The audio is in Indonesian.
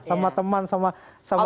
sama teman sama sama